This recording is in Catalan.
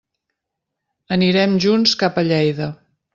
Anirem junts cap a Lleida.